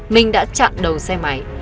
minh đã chặn đầu xe máy